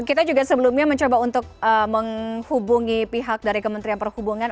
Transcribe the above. kita juga sebelumnya mencoba untuk menghubungi pihak dari kementerian perhubungan